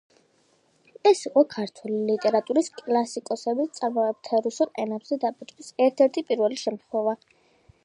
ეს იყო ქართული ლიტერატურის კლასიკოსების ნაწარმოებთა რუსულ ენაზე დაბეჭდვის ერთ–ერთი პირველი შემთხვევა.